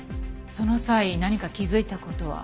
その際何か気づいた事は？